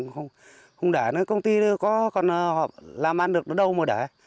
không để công ty còn làm ăn được nó đâu mà để